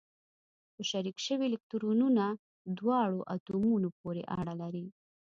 په شریک شوي الکترونونه دواړو اتومونو پورې اړه لري.